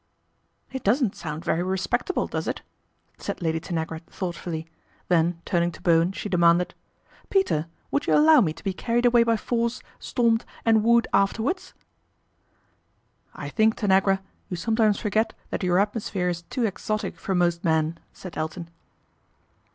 " It doesn't sound very respectable, does ?" said Lady Tanagra thoughtfully, then turning to Bowen she demanded, " Peter, would ou allow me to be carried away by force, stormed, ;;ind wooed afterwards ?" I think, Tanagra, you sometimes forget that our atmosphere is too exotic for most men," said hJElton.